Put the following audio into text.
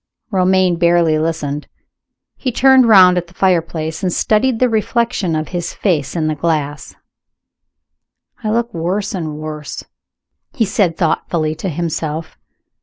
Romayne barely listened. He turned round at the fireplace and studied the reflection of his face in the glass. "I look worse and worse," he said thoughtfully to himself.